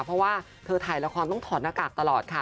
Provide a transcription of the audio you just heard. เพราะว่าเธอถ่ายละครต้องถอดหน้ากากตลอดค่ะ